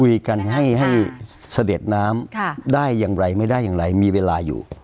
คุยกันให้เสด็จน้ำได้อย่างไรไม่ได้อย่างไรมีเวลาอยู่